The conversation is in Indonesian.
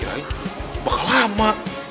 ya ini bakal lama